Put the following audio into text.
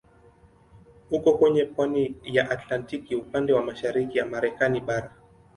Uko kwenye pwani ya Atlantiki upande wa mashariki ya Marekani bara.